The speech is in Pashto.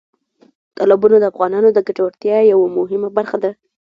تالابونه د افغانانو د ګټورتیا یوه مهمه برخه ده.